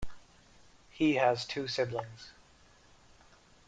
He has two siblings.